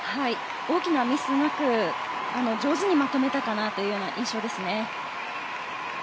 大きなミスなく上手にまとめたかなという印象ですね。